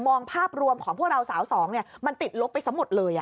มองภาพรวมของพวกเราสาวสองเนี้ยมันติดลกไปสมุดเลยอ่ะ